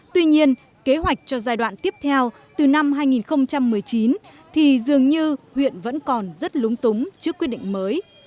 tuy nhiên kế hoạch cho giai đoạn tiếp theo từ năm hai nghìn một mươi chín thì dường như huyện vẫn còn rất lúng túng trước quyết định mới